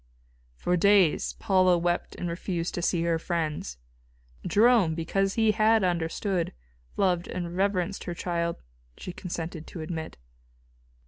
For days Paula wept and refused to see her friends. Jerome, because he had understood, loved and reverenced her child, she consented to admit.